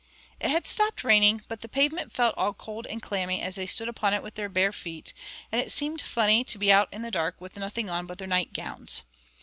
It had stopped raining, but the pavement felt all cold and clammy as they stood upon it with their bare feet, and it seemed funny to be out in the dark with nothing on but their nightgowns.